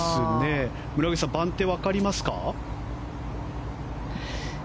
村口さん、番手分かりますか。